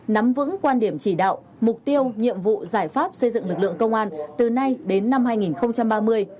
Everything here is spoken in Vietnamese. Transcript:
nắm vững quan điểm chỉ đạo mục tiêu nhiệm vụ giải pháp xây dựng lực lượng công an từ nay đến năm hai nghìn ba mươi